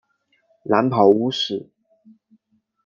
蓝袍巫师。